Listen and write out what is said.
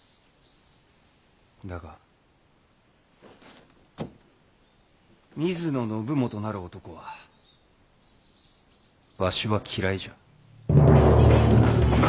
だが水野信元なる男はわしは嫌いじゃ。